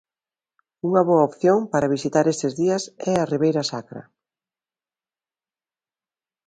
Unha boa opción para visitar estes días é a Ribeira Sacra.